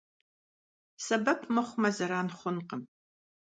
Сэбэп мыхъумэ, зэран хъункъым.